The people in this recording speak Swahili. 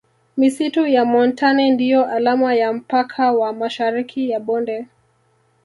Misitu ya montane ndiyo alama ya mpaka wa Mashariki ya bonde